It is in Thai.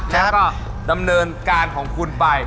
แล้วก็ดำเนินการของคุณไป